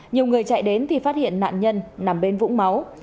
nhiều người chạy đến thì phát hiện nạn nhân nằm bên vũng máu